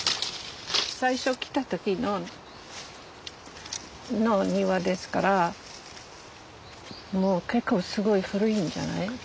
最初来た時の庭ですからもう結構すごい古いんじゃない？